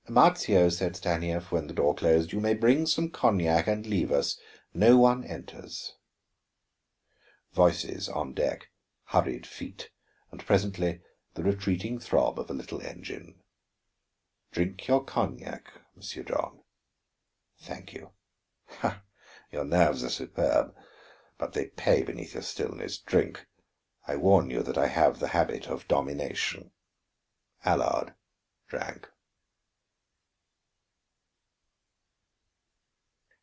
"Marzio," said Stanief, when the door closed, "you may bring some cognac, and leave us. No one enters." Voices on deck, hurrying feet, and presently the retreating throb of a little engine. "Drink your cognac, Monsieur John." "Thank you." "Bah, your nerves are superb, but they pay beneath your stillness. Drink; I warn you that I have the habit of domination." Allard drank.